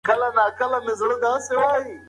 منډېلا په خپل یو عمل سره یو لوی انسان وروزلو.